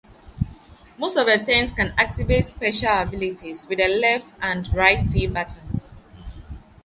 Most of the tanks can activate special abilities with the left and right C-buttons.